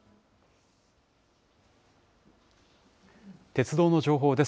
鉄道の情報です。